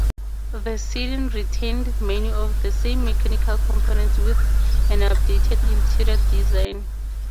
The sedan retained many of the same mechanical components with an updated interior design.